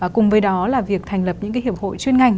cùng với đó là việc thành lập những hiệp hội chuyên ngành